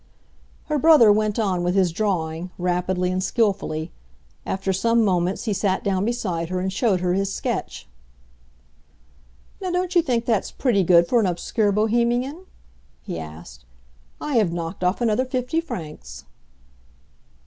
Her brother went on with his drawing, rapidly and skillfully; after some moments he sat down beside her and showed her his sketch. "Now, don't you think that's pretty good for an obscure Bohemian?" he asked. "I have knocked off another fifty francs."